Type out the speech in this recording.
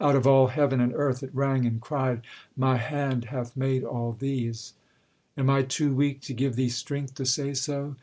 Out of all heaven and earth it rang, and cried, 'My hand hath made all these. Am I too weak To give thee strength to say so?'